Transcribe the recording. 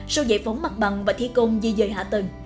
sau giải phóng mặt bằng và thi công di dời hạ tầng